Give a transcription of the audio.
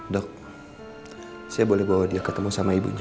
dok saya boleh bawa dia ketemu sama ibunya